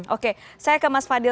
oke saya ke mas fadil